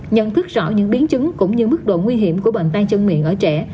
nhận thức rõ những biến chứng cũng như mức độ nguy hiểm của bệnh tay chân miệng ở trẻ